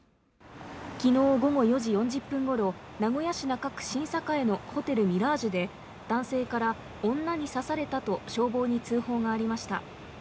昨日午後４時４０分頃名古屋市中区新栄のホテルミラージュで男性から女に刺されたと消防に通報がありました。